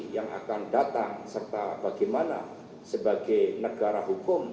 yang akan datang serta bagaimana sebagai negara hukum